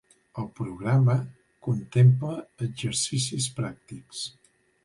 El programa contempla exercicis pràctics.